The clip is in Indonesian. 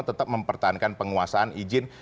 tetap mempertahankan penguasaan izin